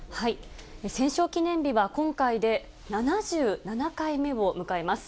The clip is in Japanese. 戦勝記念日は今回で７７回目を迎えます。